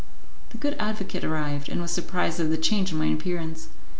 The good advocate arrived, and was surprised at the change in my appearance.